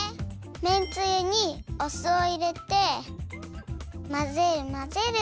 めんつゆにお酢をいれてまぜるまぜる。